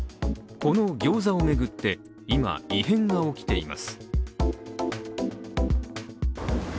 この餃子を巡って今、異変が起きています。